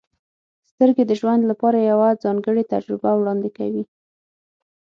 • سترګې د ژوند لپاره یوه ځانګړې تجربه وړاندې کوي.